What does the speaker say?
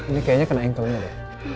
ini kayaknya kena engkelnya